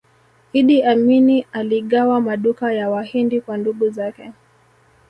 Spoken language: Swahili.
iddi amini aligawa maduka ya wahindi kwa ndugu zake